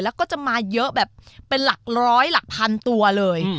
แล้วก็จะมาเยอะแบบเป็นหลักร้อยหลักพันตัวเลย